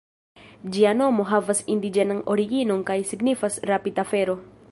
Ĝia nomo havas indiĝenan originon kaj signifas "rapid-afero".